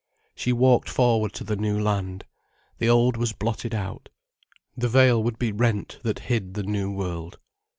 She walked forward to the new land. The old was blotted out. The veil would be rent that hid the new world.